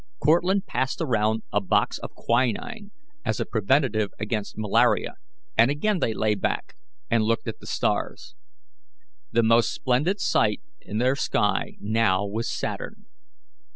Cortlandt passed around a box of quinine as a preventive against malaria, and again they lay back and looked at the stars. The most splendid sight in their sky now was Saturn.